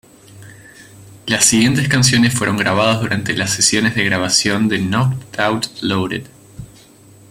Las siguientes canciones fueron grabadas durante las sesiones de grabación de "Knocked Out Loaded".